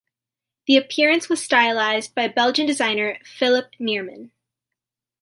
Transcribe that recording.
The appearance was stylised by Belgian designer Philippe Neerman.